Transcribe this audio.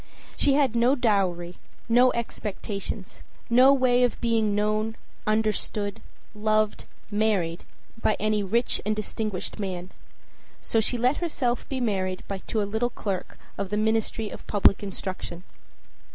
She had no dowry, no expectations, no way of being known, understood, loved, married by any rich and distinguished man; so she let herself be married to a little clerk of the Ministry of Public Instruction.